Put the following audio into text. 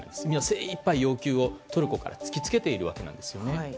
精いっぱい要求をトルコから突き付けているわけなんですよね。